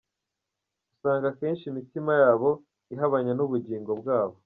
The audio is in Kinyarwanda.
Usanga kenshi imitima yabo ihabanye n’ubugingo bwabo.